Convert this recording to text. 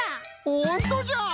ほんとじゃ！